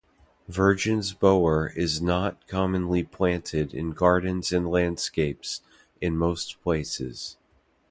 Virgin's Bower is not commonly planted in gardens and landscapes in most places.